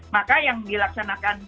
maka yang dilaksanakan